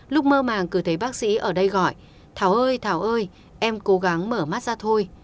lúc mơ màng cứ thấy bác sĩ ở đây gọi thảo ơi thảo ơi em cố gắng mở mắt ra thôi